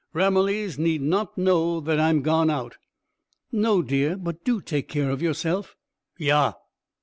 Ramillies need not know that I'm gone out." "No, dear. But do take care of yourself." "Yah!"